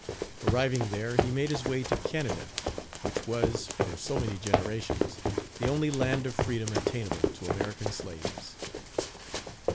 Arriving there he made his way to Canada; which was, for so many generations, the only land of freedom attainable to American slaves.